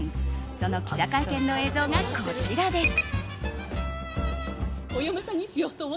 その記者会見の映像がこちらです。